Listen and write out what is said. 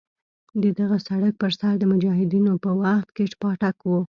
د دغه سړک پر سر د مجاهدینو په وخت کې پاټک وو.